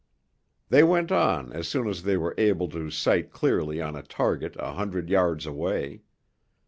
They went on as soon as they were able to sight clearly on a target a hundred yards away.